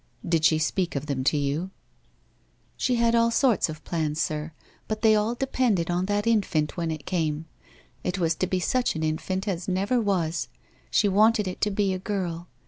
Did she speak of them to vou ':' 1 She had all sorts of plans, sir, but they all depended on that infant when it came. It was to be such an infant as never was ! She wanted it to be a girl.